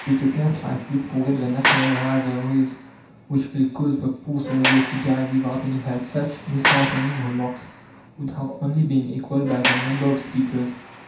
Utopians like you forget the national rivalries which will cause the poor soldiers to die without any help." Such disheartening remarks would have only been equalled by the number of speakers.